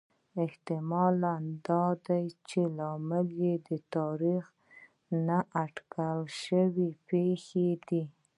احتمال دا دی چې لامل یې د تاریخ نا اټکل شوې پېښې دي